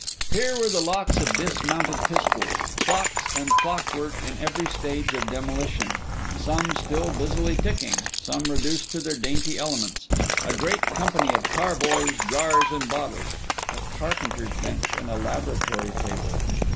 Here were the locks of dismounted pistols; clocks and clockwork in every stage of demolition, some still busily ticking, some reduced to their dainty elements; a great company of carboys, jars and bottles; a carpenter's bench and a laboratory table.